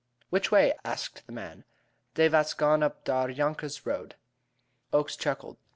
"Which way?" asked the men. "Dey vas gone up dar Yonkers Road." Oakes chuckled.